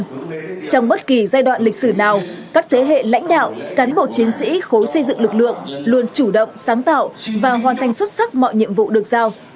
trong bất kỳ giai đoạn lịch sử nào các thế hệ lãnh đạo cán bộ chiến sĩ khối xây dựng lực lượng luôn chủ động sáng tạo và hoàn thành xuất sắc mọi nhiệm vụ được giao